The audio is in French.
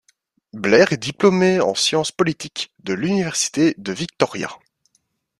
Blair est diplômé en science politique de l'Université de Victoria.